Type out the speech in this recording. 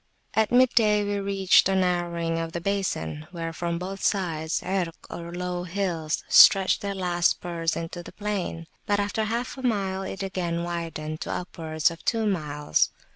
At mid day we reached a narrowing of the basin, where, from both sides, Irk, or low hills, stretch their last spurs into the plain. But after half a mile, it again widened to upwards of two miles.